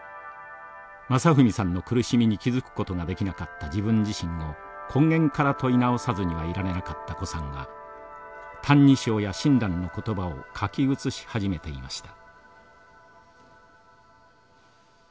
真史さんの苦しみに気付くことができなかった自分自身を根源から問い直さずにはいられなかった高さんは「歎異抄」や親鸞の言葉を書き写し始めていました。